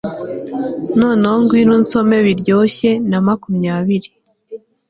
Noneho ngwino unsome Biryoshye na makumyabiri